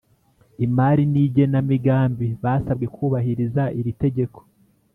Imari n Igenamigambi basabwe kubahiriza iri tegeko